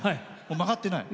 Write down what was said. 曲がってない？